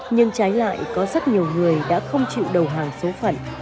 nhưng trái lại có rất nhiều người đã không chịu đầu hàng số phận